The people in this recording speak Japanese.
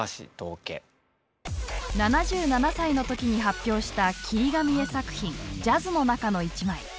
７７歳の時に発表した切り紙絵作品「ジャズ」の中の一枚。